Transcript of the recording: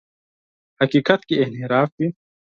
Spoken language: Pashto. حقیقت کې انحراف وي.